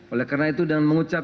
oleh karena itu dengan mengucapkan